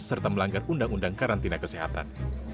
serta melanggar undang undang karantina kesehatan